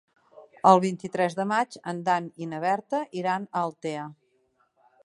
El vint-i-tres de maig en Dan i na Berta iran a Altea.